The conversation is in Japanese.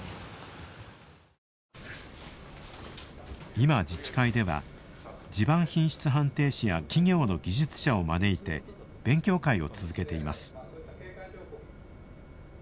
今、自治会では地盤品質判定士や企業の技術者を招いて勉強会を続けています。